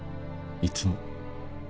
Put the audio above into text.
いつも。